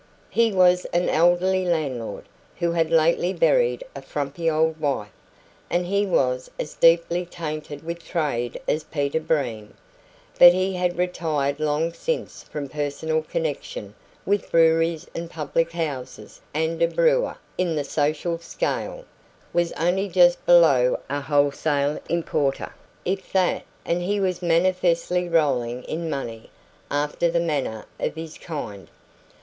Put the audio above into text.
He was an elderly landlord, who had lately buried a frumpy old wife, and he was as deeply tainted with trade as Peter Breen; but he had retired long since from personal connection with breweries and public houses and a brewer, in the social scale, was only just below a wholesale importer, if that and he was manifestly rolling in money, after the manner of his kind.